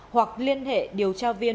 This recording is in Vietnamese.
hoặc liên hệ điều tra viên